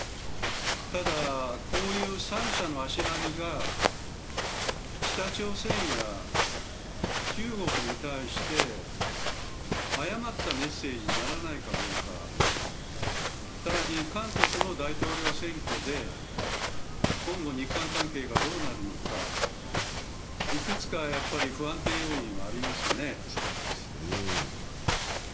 ただ、こういう３者の足並みが北朝鮮や中国に対して誤ったメッセージにならないかどうか、更に韓国の大統領選挙で今後、日韓関係がどうなるのか幾つか不安定要因はありますね。